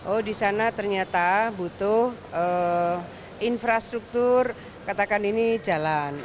oh di sana ternyata butuh infrastruktur katakan ini jalan